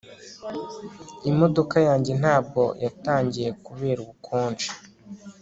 Imodoka yanjye ntabwo yatangiye kubera ubukonje